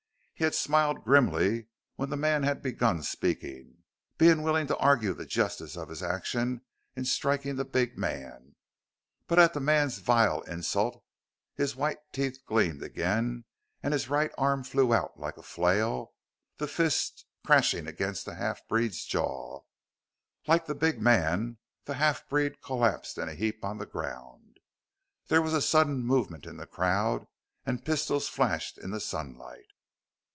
He had smiled grimly when the man had begun speaking, being willing to argue the justice of his action in striking the big man, but at the man's vile insult his white teeth gleamed again and his right arm flew out like a flail the fist crashing against the half breed's jaw. Like the big man the half breed collapsed in a heap on the ground. There was a sudden movement in the crowd, and pistols flashed in the sunlight.